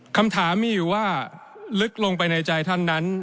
คำถามมีอยู่ว่าลึกลงไปในใจท่านนั้น